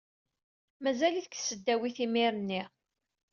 Mazal-it deg tesdawit imir-nni.